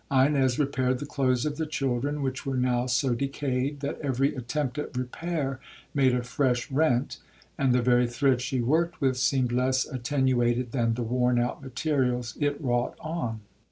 Ines repaired the clothes of the children, which were now so decayed, that every attempt at repair made a fresh rent, and the very thread she worked with seemed less attenuated than the worn out materials it wrought on.